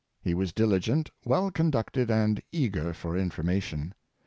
He was diligent, well conducted, and eager for information.